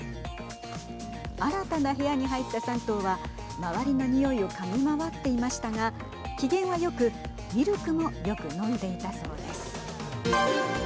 新たな部屋に入った３頭は周りのにおいを嗅ぎ回っていましたが機嫌はよくミルクもよく飲んでいたそうです。